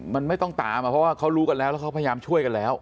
มันไม่ต้องตามเพราะว่าเขารู้กันแล้วแล้วเขาพยายามช่วยกันแล้ว